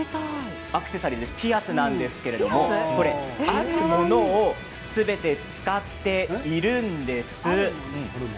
ピアスなんですけどもあるものをすべて使っているんです。